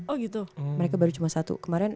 oh gitu mereka baru cuma satu kemarin